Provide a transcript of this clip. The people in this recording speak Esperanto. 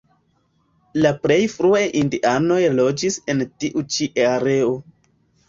La plej frue indianoj loĝis en tiu ĉi areo.